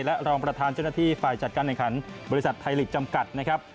และรองประธานเจ้าหน้าที่ฝ่ายจัดการแห่งขันบริษัทไทยลีกจำกัดนะครับ